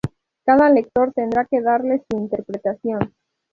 Cada lector tendrá que darles su interpretación...